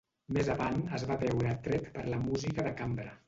Més avant es va veure atret per la música de cambra.